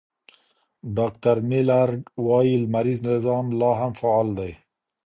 ډاکټر میلرډ وايي، لمریز نظام لا هم فعال دی.